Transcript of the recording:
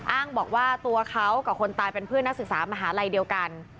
อ้างบอกว่าตัวเขากับคนตายเป็นเพื่อนนักศึกษามหาลัยเดียวกัน